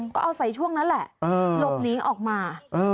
ก็เอาใส่ช่วงนั้นแหละหลบหนีออกมา